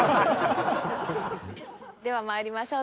では参りましょう。